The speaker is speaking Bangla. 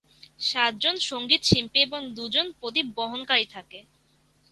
সাতজন সংগীতশিল্পী এবং দুজন প্রদীপ বহনকারী থাকে।